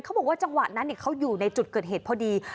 จังหวะนั้นเขาอยู่ในจุดเกิดเหตุพอดี